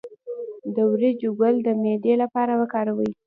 د وریجو ګل د معدې لپاره وکاروئ